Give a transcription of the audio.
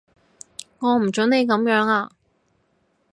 我唔準你噉樣啊